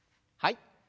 はい。